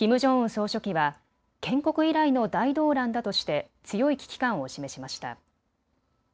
総書記は建国以来の大動乱だとして強い危機感を示しました。